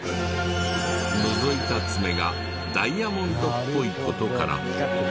のぞいた爪がダイヤモンドっぽい事から。